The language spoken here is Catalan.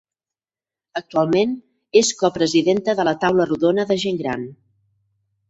Actualment, és copresidenta de la Taula rodona de gent gran